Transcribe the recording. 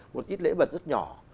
một ít lễ vật rất nhỏ